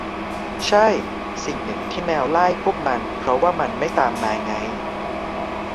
ใช่ สิ่งหนึ่งที่แมวไล่พวกมันเพราะว่ามันไม่ตามนายไง